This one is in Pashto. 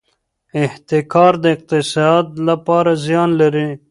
احتکار د اقتصاد لپاره زیان لري.